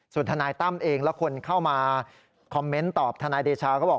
ส่วนทนายตั้มเองและคนเข้ามาคอมเมนต์ตอบทนายเดชาเขาบอก